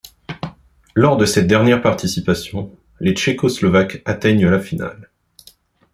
Lors de cette dernière participation, les Tchécoslovaques atteignent la finale.